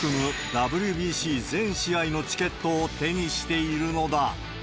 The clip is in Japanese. ＷＢＣ全試合のチケットを手にしているのだ。